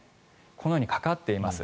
このようにかかっています。